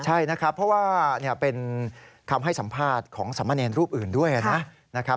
ใช่นะครับเพราะว่าเป็นคำให้สัมภาษณ์ของสามเณรรูปอื่นด้วยนะครับ